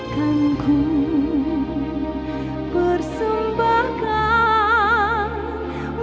kan ku bersembahkan